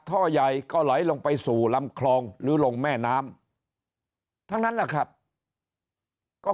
ท่อใหญ่ก็ไหลลงไปสู่ลำคลองหรือลงแม่น้ำทั้งนั้นแหละครับก็